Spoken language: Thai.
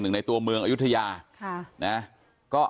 แม่โชคดีนะไม่ถึงตายนะ